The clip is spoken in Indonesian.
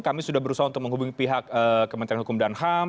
kami sudah berusaha untuk menghubungi pihak kementerian hukum dan ham